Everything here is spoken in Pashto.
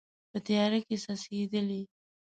په تیاره کې څڅیدلې